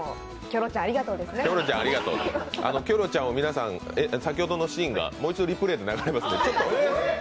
キョロちゃんを皆さん、先ほどのシーンがもう一度リプレーで流れますので。